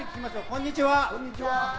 こんにちは。